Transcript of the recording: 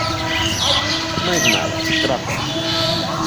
Máis nada, grazas.